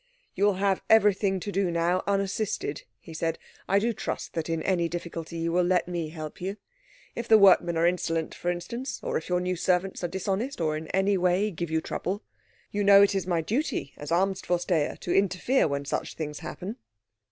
"You will have everything to do now unassisted," he said. "I do trust that in any difficulty you will let me help you. If the workmen are insolent, for instance, or if your new servants are dishonest or in any way give you trouble. You know it is my duty as Amtsvorsteher to interfere when such things happen."